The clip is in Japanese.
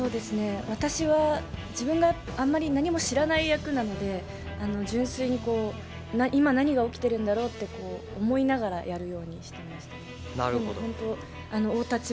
私は自分があんまり何も知らない役なので、純粋に今、何が起きてるんだろうって思いながらやるようにしてました。